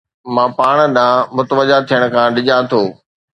مان پاڻ ڏانهن متوجه ٿيڻ کان ڊڄان ٿو